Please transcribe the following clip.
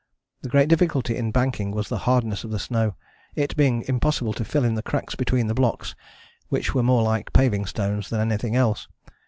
The great difficulty in banking was the hardness of the snow, it being impossible to fill in the cracks between the blocks which were more like paving stones than anything else.